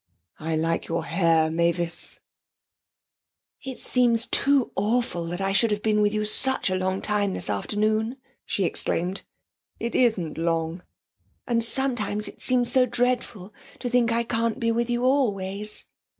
'I like your hair, Mavis.' 'It seems too awful I should have been with you such a long time this afternoon,' she exclaimed. 'It isn't long.' 'And sometimes it seems so dreadful to think I can't be with you always.'